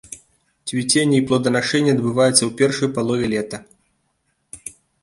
Цвіценне і плоданашэнне адбываецца ў першай палове лета.